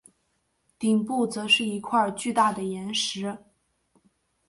顶部则是一块巨大的岩石。